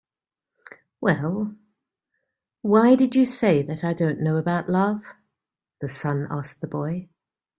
"Well, why did you say that I don't know about love?" the sun asked the boy.